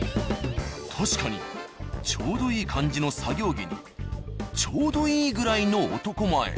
確かにちょうどいい感じの作業着にちょうどいいぐらいの男前。